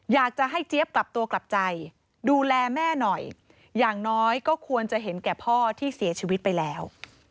อยากจะให้เจี๊ยบกลับตัวกลับใจดูแลแม่หน่อยอย่างน้อยก็ควรจะเห็นแก่พ่อที่เสียชีวิตไปแล้ว